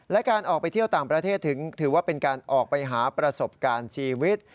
และการออกไปเที่ยวต่างประเทศถึงถือว่าเป็นการออกไปหาประสบการณ์ชีวิต